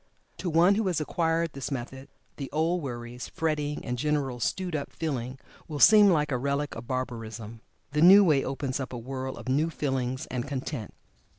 To one who has acquired this method, the old worries, frettings, and general "stewed up" feeling, will seem like a relic of barbarism. The new way opens up a world of new feelings and content.